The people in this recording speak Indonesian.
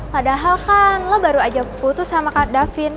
padahal kan lo baru aja putus sama kak davin